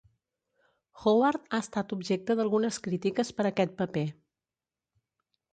Howard ha estat objecte d'algunes crítiques per aquest paper.